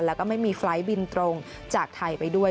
แล้วก็ไม่มีไฟล์ทบินตรงจากไทยไปด้วย